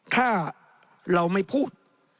ถ้าเราไม่พูด